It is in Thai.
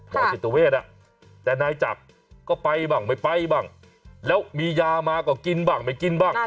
จิตเวทแต่นายจักรก็ไปบ้างไม่ไปบ้างแล้วมียามาก็กินบ้างไม่กินบ้าง